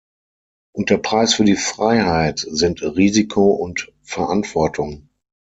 Und der Preis für die Freiheit, sind Risiko und Verantwortung.